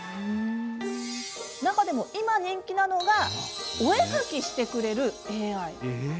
中でも今、人気なのがお絵描きをしてくれるＡＩ。